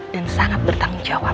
dan sangat bertanggung jawab